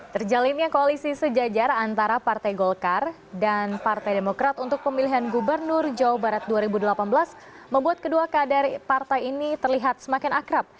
terjalinnya koalisi sejajar antara partai golkar dan partai demokrat untuk pemilihan gubernur jawa barat dua ribu delapan belas membuat kedua kader partai ini terlihat semakin akrab